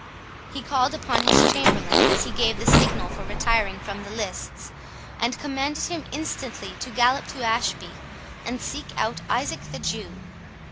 He called upon his chamberlain as he gave the signal for retiring from the lists, and commanded him instantly to gallop to Ashby, and seek out Isaac the Jew.